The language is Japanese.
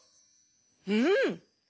うん。